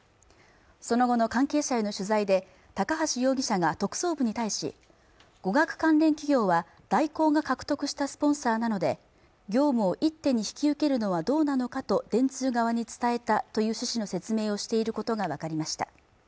その後の関係者への取材で高橋容疑者が特捜部に対し語学関連企業は大広が獲得したスポンサーなので業務を一手に引き受けるのはどうなのかと電通側に伝えたという趣旨の説明をしていることが分かりました